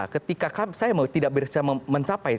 ketika saya tidak bisa mencapai